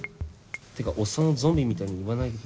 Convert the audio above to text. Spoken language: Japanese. ってかおっさんをゾンビみたいに言わないでください。